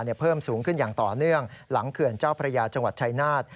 เพิ่มสูงขึ้นอย่างต่อเนื่องหลังเขื่อนเจ้าพระยาจังหวัดชายนาฏ